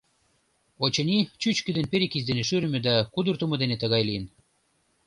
Очыни, чӱчкыдын перекись дене шӱрымӧ да кудыртымо дене тыгай лийын.